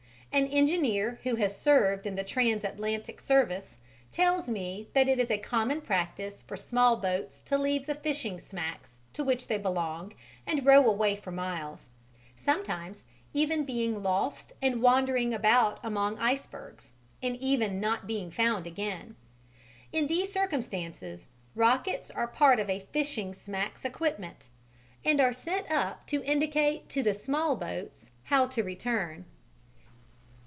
An engineer who has served in the trans Atlantic service tells me that it is a common practice for small boats to leave the fishing smacks to which they belong and row away for miles; sometimes even being lost and wandering about among icebergs, and even not being found again. In these circumstances, rockets are part of a fishing smack's equipment, and are sent up to indicate to the small boats how to return.